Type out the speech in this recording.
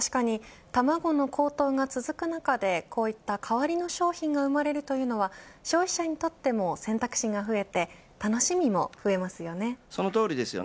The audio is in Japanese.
確かに、卵の高騰が続く中でこういった代わりの商品が生まれるというのは消費者にとっても選択肢が増えてそのとおりです。